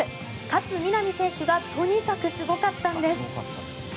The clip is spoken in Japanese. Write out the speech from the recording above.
勝みなみ選手がとにかくすごかったんです。